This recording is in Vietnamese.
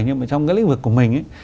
nhưng mà trong cái lĩnh vực của mình